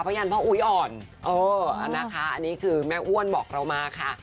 ยันพ่ออุ๊ยอ่อนเออนะคะอันนี้คือแม่อ้วนบอกเรามาค่ะ